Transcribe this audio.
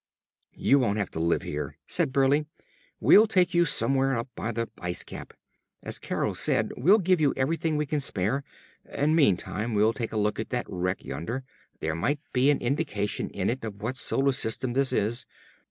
"You won't have to live here," said Burleigh. "We'll take you somewhere up by the ice cap. As Carol said, we'll give you everything we can spare. And meanwhile we'll take a look at that wreck yonder. There might be an indication in it of what solar system this is.